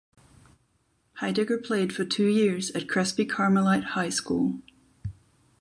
Heidegger played for two years at Crespi Carmelite High School.